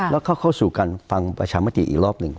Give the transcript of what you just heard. แล้วเข้าสู่การฟังประชามติอีกรอบหนึ่ง